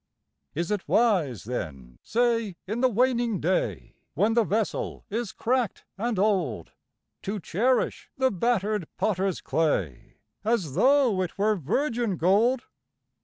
Is it wise, then, say, in the waning day, When the vessel is crackÆd and old, To cherish the battered pottersÆ clay, As though it were virgin gold?